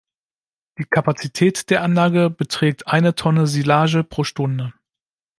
Die Kapazität der Anlage beträgt eine Tonne Silage pro Stunde.